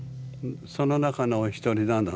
その中のお一人なのね。